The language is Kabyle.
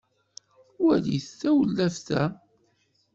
walit tawellaft-a